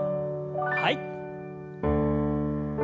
はい。